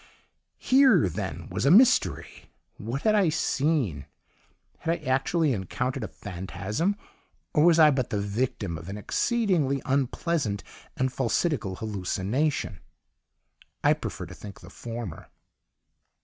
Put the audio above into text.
"Here, then, was a mystery! What had I seen? Had I actually encountered a phantasm, or was I but the victim of an exceedingly unpleasant and falsidical hallucination? I preferred to think the former.